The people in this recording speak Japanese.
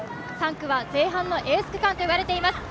３区は前半のエース区間といわれています。